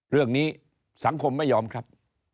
เรื่องนี้สังคมไม่ยอมครับ